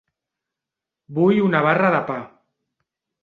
Vull una barra de pa.